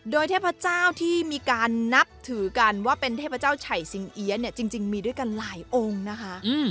โดยเทพเจ้าที่มีการนับถือกันว่าเป็นเทพเจ้าไฉสิงเอี๊ยเนี่ยจริงมีด้วยกันหลายองค์นะคะ